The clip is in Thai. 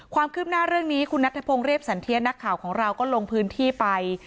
ความคืบหน้าเรื่องนี้คุณนัทธพงศ์เรียบสันเทียนักข่าวของเราก็ลงพื้นที่ไป